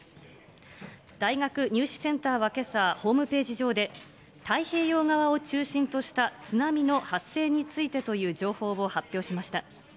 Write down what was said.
大学入試センターはけさ、ホームページ上で、太平洋側を中心とした津波の発生についてという情報を発表しました。